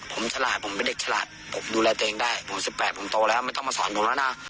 ผมฉลาดผมเป็นเด็กฉลาดผมดูแลตัวเองได้ผม๑๘ผมโตแล้วไม่ต้องมาสอนผมแล้วนะ